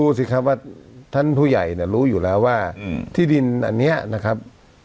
สิครับว่าท่านผู้ใหญ่เนี่ยรู้อยู่แล้วว่าที่ดินอันนี้นะครับ